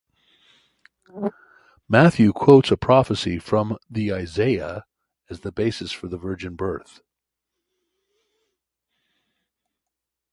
Matthew quotes a prophecy from the Isaiah as the basis for the virgin birth.